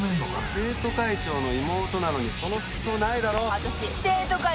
生徒会長の妹なのにその服装ないだろ。